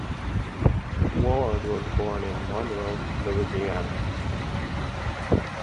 Ward was born in Monroe, Louisiana.